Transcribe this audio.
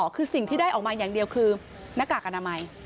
คือสิ่งที่ได้ออกมาอย่างเดียวคือหน้ากากอนามัย